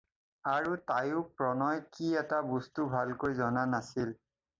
আৰু তায়ো প্ৰণয় কি এটা বস্তু ভালকৈ জনা নাছিল।